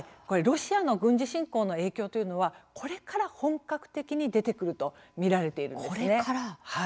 はい、ロシアの軍事侵攻の影響というのはこれから本格的に出てくると見られているんですね。